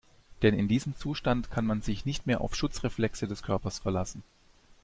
Denn in diesem Zustand kann man sich nicht mehr auf Schutzreflexe des Körpers verlassen.